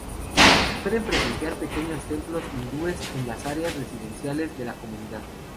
Se pueden presenciar pequeños templos hindúes en las áreas residenciales de la comunidad.